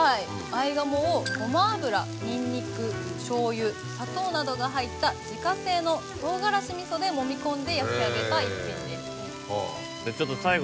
合鴨をごま油ニンニク醤油砂糖などが入った自家製の唐辛子味噌で揉み込んで焼き上げた一品です。